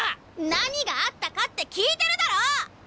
何があったかって聞いてるだろ！